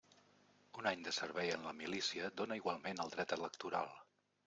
Un any de servei en la milícia dóna igualment el dret electoral.